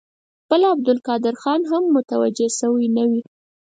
خپله عبدالقادر خان هم متوجه شوی نه وي.